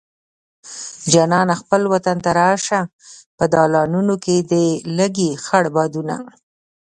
جانانه خپل وطن ته راشه په دالانونو کې دې لګي خړ بادونه